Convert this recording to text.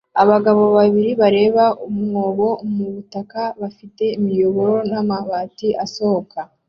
Abagabo babiri bareba umwobo mu butaka bafite imiyoboro n'amabati asohoka